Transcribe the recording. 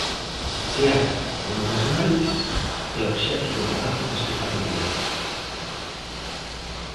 Seaga, unha vez máis, é obxecto de debate neste Parlamento.